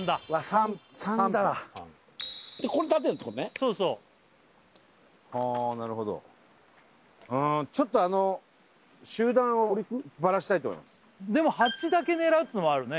そうそうあなるほどちょっとあの集団をバラしたいと思いますでも８だけ狙うっつうのもあるね